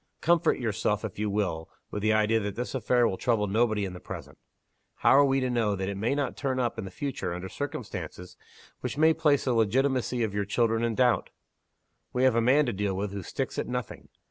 Comfort yourself, if you will, with the idea that this affair will trouble nobody in the present. How are we to know it may not turn up in the future under circumstances which may place the legitimacy of your children in doubt? We have a man to deal with who sticks at nothing.